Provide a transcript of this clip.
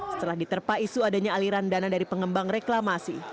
setelah diterpa isu adanya aliran dana dari pengembang reklamasi